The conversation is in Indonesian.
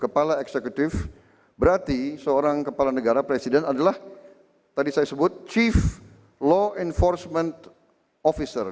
kepala eksekutif berarti seorang kepala negara presiden adalah tadi saya sebut chief law enforcement officer